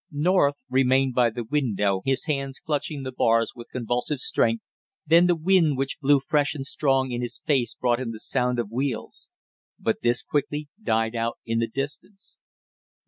North remained by the window, his hands clutching the bars with convulsive strength, then the wind which blew fresh and strong in his face brought him the sound of wheels; but this quickly died out in the distance.